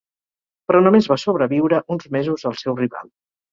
Però només va sobreviure uns mesos al seu rival.